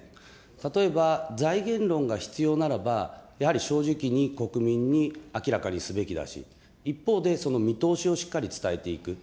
例えば財源論が必要ならば、やはり正直に国民に明らかにすべきだし、一方で見通しをしっかり伝えていく。